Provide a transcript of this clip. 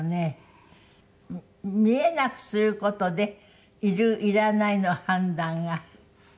見えなくする事でいるいらないの判断が。